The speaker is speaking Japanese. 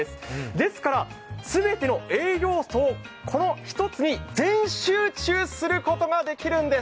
ですからすべての栄養素をこの中に全集中することができるんです。